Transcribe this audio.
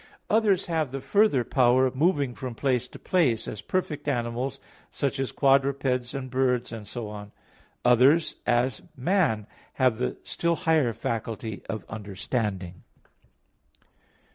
Others have the further power of moving from place to place, as perfect animals, such as quadrupeds, and birds, and so on. Others, as man, have the still higher faculty of understanding.